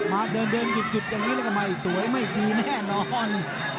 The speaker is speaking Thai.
มาเดินหยุดอย่างนี้แล้วก็ไม่สวยไม่ดีแน่นอน